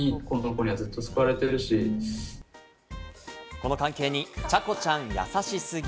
この関係に、茶子ちゃん、優しすぎ！